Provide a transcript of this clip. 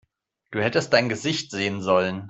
Du hättest dein Gesicht sehen sollen!